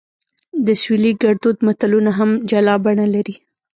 د سویلي ګړدود متلونه هم جلا بڼه لري